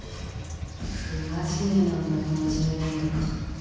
不真面目なんだか真面目なんだか。